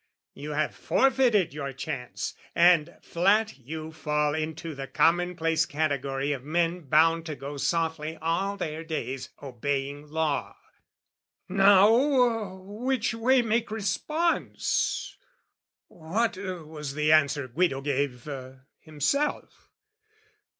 "You have forfeited your chance, and flat you fall "Into the commonplace category "Of men bound to go softly all their days, "Obeying law." Now, which way make response? What was the answer Guido gave, himself?